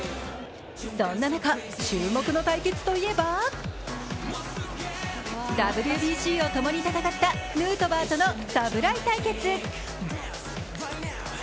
そんな中、注目の対決といえばＷＢＣをともに戦ったヌートバーとの侍対決。